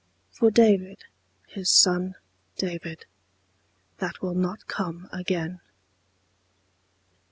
For David, his son David, That will not come again.